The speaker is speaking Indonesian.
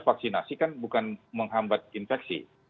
vaksinasi kan bukan menghambat infeksi